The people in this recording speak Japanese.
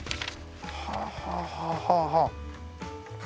はあはあはあはあ。